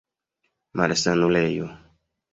malsanulejo